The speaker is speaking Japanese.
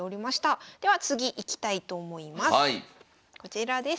では次いきたいと思います。